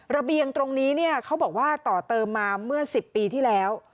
ระเบียงตรงนี้เนี่ยเขาบอกว่าต่อเติมมาเมื่อ๑๐ปีที่แล้ว